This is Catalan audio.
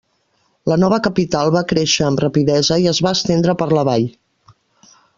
La nova capital va créixer amb rapidesa i es va estendre per la vall.